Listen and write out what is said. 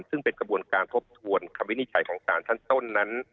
ซึ่งเป็นกระบวนการทบทวนคำวินิจฉัยของสารชั้นต้นนั้น